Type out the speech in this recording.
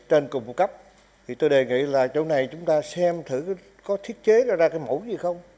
trên cùng phụ cấp thì tôi đề nghị là chỗ này chúng ta xem thử có thiết chế ra cái mẫu gì không